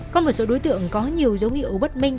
có một số đối tượng có nhiều dấu nghị ố bất minh